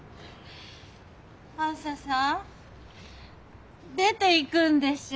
あづささん出ていくんでしょ？